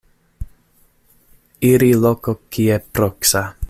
Iri loko kie proksa.